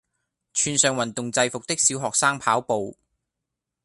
穿上運動制服的小學生跑步